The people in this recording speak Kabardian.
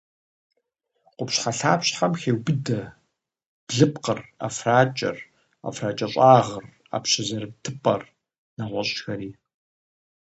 Къупщхьэлъапщхьэм хеубыдэ блыпкъыр, ӏэфракӏэр, ӏэфракӏэщӏагъыр, ӏэпщэ зэрытыпӏэр, нэгъуэщӏхэри.